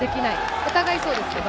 お互いそうですけど。